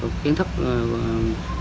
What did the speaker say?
giỡn được tình trạng học sinh